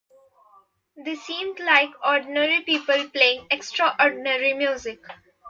They seemed like ordinary people playing extraordinary music.